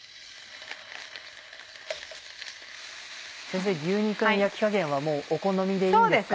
先生牛肉の焼き加減はもうお好みでいいんですか？